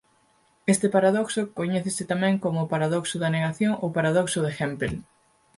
Este paradoxo coñécese tamén como paradoxo da negación ou paradoxo de Hempel.